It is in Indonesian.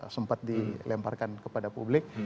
sempat dilemparkan kepada publik